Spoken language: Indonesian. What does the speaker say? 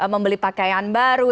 membeli pakaian baru